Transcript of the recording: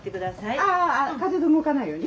ああ風で動かないように？